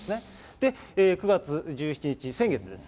で、９月１７日、先月です。